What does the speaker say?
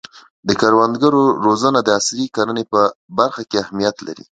د کروندګرو روزنه د عصري کرنې په برخه کې اهمیت لري.